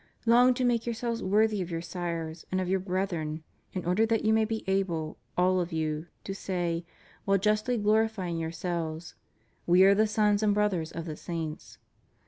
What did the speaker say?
Long to make yourselves worthy of your sires and of your brethren in order that you may be able, all of you, to say, while justly glorifying yourselves, We are the sons and brothers of the saints.